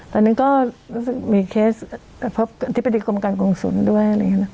ตอนนี้ก็มีเคสทฤษฎีกรกรกรงศูนย์ด้วย